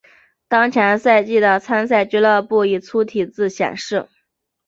当前赛季的参赛俱乐部以粗体字显示。